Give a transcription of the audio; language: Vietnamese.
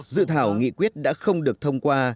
sự thảo nghị quyết đã không được thông qua